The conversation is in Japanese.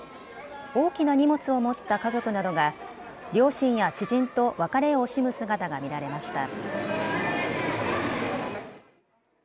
大きな荷物を持った家族などが両親や知人と別れを惜しむ姿が見られました。